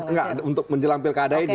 enggak untuk menjelang pilkada ini